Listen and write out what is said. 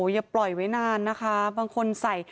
อย่าปล่อยไว้นานนะคะบางคนใส่